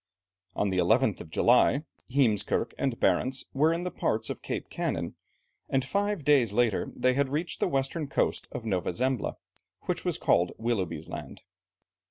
On the 11th of July, Heemskerke and Barentz were in the parts of Cape Kanin, and five days later they had reached the western coast of Nova Zembla, which was called Willoughby's Land.